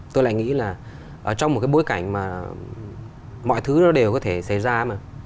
tôi lại nghĩ là trong một cái bối cảnh mà mọi thứ nó đều có thể xảy ra mà